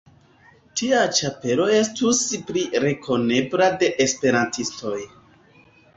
Tia ĉapelo estus pli rekonebla de Esperantistoj.